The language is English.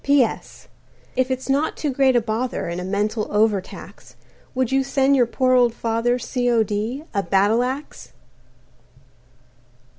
"P.S. "If it's not too great a bother And a mental overtax, Would you send your poor old father, C.O.D., a battle axe?"